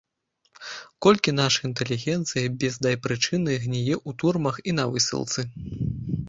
Колькі нашай інтэлігенцыі без дай прычыны гніе ў турмах і на высылцы!